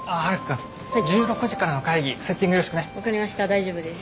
大丈夫です。